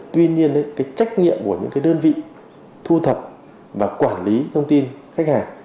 tuy nhiên trách nhiệm của những đơn vị thu thập và quản lý thông tin khách hàng